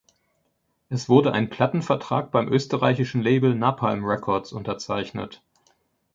Es wurde ein Plattenvertrag beim österreichischen Label Napalm Records unterzeichnet.